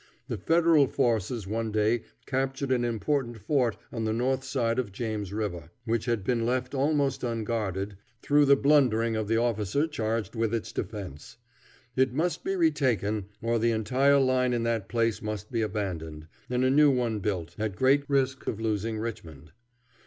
The Federal forces one day captured an important fort on the north side of James River, which had been left almost unguarded, through the blundering of the officer charged with its defense. It must be retaken, or the entire line in that place must be abandoned, and a new one built, at great risk of losing Richmond.